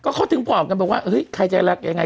ก็เขาถึงบอกกันเห้ยใครจะรักยังไง